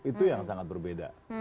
itu yang sangat berbeda